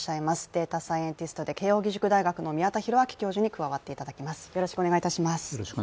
データサイエンティストで慶応義塾大学の宮田裕章教授に加わっていただきます。